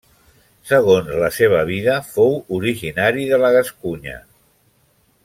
Segons la seva vida, fou originari de la Gascunya.